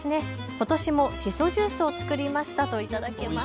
ことしもしそジュースを作りましたと頂きました。